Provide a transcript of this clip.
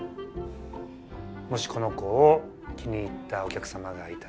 もしこの子を気に入ったお客様がいたら。